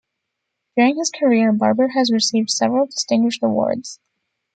During his career, Barber has received several distinguished awards.